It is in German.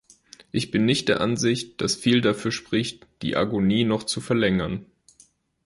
Ich bin nicht der Ansicht, dass viel dafür spricht, die Agonie noch zu verlängern.